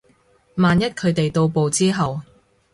萬一佢哋到埗之後